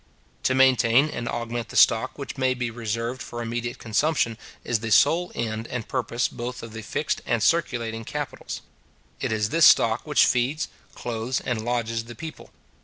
To maintain and augment the stock which may be reserved for immediate consumption, is the sole end and purpose both of the fixed and circulating capitals. It is this stock which feeds, clothes, and lodges the people.